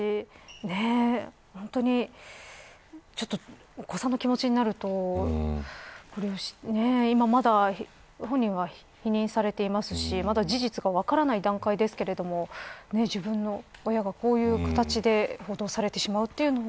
本当にお子さんの気持ちになると今、まだ本人は否認されていますしまだ事実が分からない段階ですけれども自分の親がこういう形で報道されてしまうというのは。